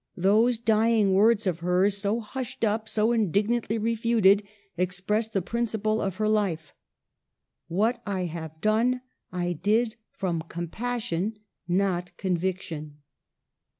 Those dying words of hers, so hushed up, so indignantly refuted, express the principle of her life, —'' What I have done I did from com passion, not conviction."